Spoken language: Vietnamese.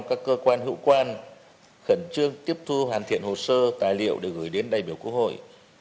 các cơ quan hữu quan khẩn trương tiếp thu hoàn thiện hồ sơ tài liệu để gửi đến đại biểu quốc hội